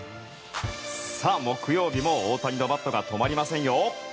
さあ、木曜日も大谷のバットが止まりませんよ！